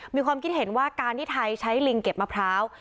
มีความคิดเห็นว่าการที่ไทยใช้ลิงเก็บมะพร้าว